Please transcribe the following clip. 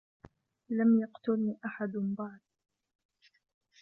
لم يقتلني أحد بعد.